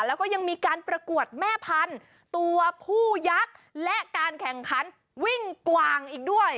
แล้วก็ยังมีการประกวดแม่พันธุ์ตัวผู้ยักษ์และการแข่งขันวิ่งกวางอีกด้วย